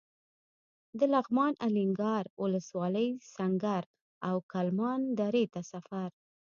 د لغمان الینګار ولسوالۍ سنګر او کلمان درې ته سفر.